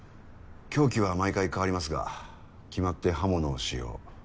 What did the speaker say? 凶器は毎回変わりますが決まって刃物を使用。